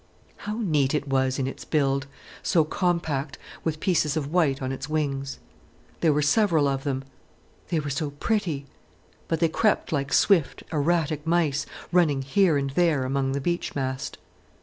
How neat it was in its build, so compact, with pieces of white on its wings. There were several of them. They were so pretty—but they crept like swift, erratic mice, running here and there among the beech mast.